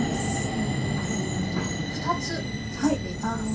今日はたっぷり２つ使っていきます。